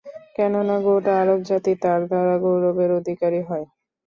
কেননা, গোটা আরব জাতি তার দ্বারা গৌরবের অধিকারী হয়।